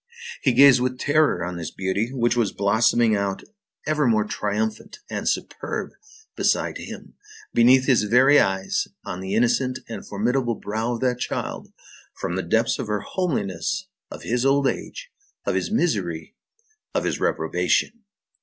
He gazed with terror on this beauty, which was blossoming out ever more triumphant and superb beside him, beneath his very eyes, on the innocent and formidable brow of that child, from the depths of her homeliness, of his old age, of his misery, of his reprobation.